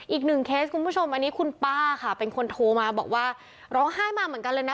อีกหนึ่งเคสคุณผู้ชมอันนี้คุณป้าค่ะเป็นคนโทรมาบอกว่าร้องไห้มาเหมือนกันเลยนะ